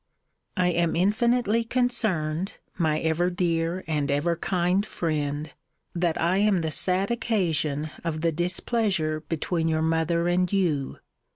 I am infinitely concerned, my ever dear and ever kind friend, that I am the sad occasion of the displeasure between your mother and you.